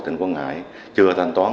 tỉnh quảng ngãi chưa thanh toán